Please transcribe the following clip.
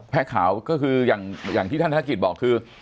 ขาวก็คืออย่างที่ท่านธนกิจบอกคือ